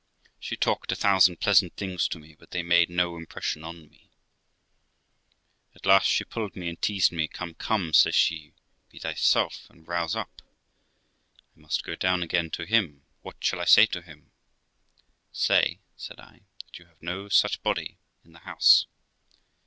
She talked a thousand pleasant things to me, but they made no impression on me. At THE LIFE OF ROXANA 325 last she pulled me and teased me. 'Come, come', says she, 'be thyself, and rouse up. I must go down again to him ; what shall I say to him ?'' Say ', said I, ' that you have no such body in the house.'